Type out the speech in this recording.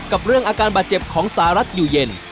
กับเรื่องอาการบาดเจ็บของสหรัฐอยู่เย็น